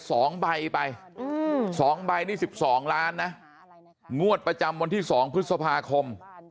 สองใบไปอืมสองใบนี่สิบสองล้านนะงวดประจำวันที่สองพฤษภาคม